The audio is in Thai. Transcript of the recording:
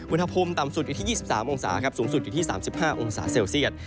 อุณหภูมิต่ำสุดอยู่ที่๒๓องศาครับสูงสุดอยู่ที่๓๕องศาเซลเซียต